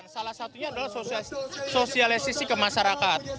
salah satunya adalah sosialisasi ke masyarakat